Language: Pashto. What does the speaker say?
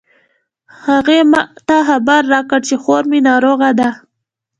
هغې ما ته خبر راکړ چې خور می ناروغه ده